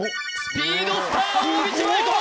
ピードスター大道麻優子